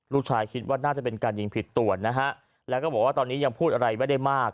คิดว่าน่าจะเป็นการยิงผิดตัวนะฮะแล้วก็บอกว่าตอนนี้ยังพูดอะไรไม่ได้มาก